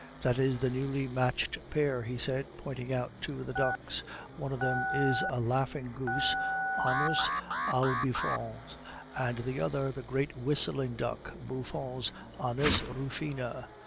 That is the newly matched pair," he said, pointing out two of the ducks; "one of them is a laughing goose (anas albifrons), and the other the great whistling duck, Buffon's anas ruffina.